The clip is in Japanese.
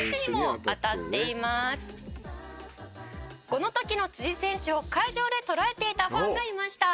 「この時の選手を会場で捉えていたファンがいました」